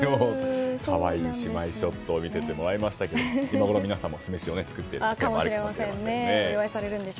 可愛い姉妹ショットを見せてもらいましたが今ごろ皆さん酢飯を作っているかもしれませんね。